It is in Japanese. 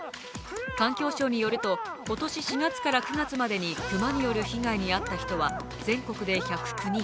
環境省によると今年４月から９月までに熊による被害に遭った人は全国で１０９人。